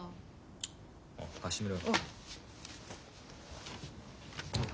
おっ貸してみろ。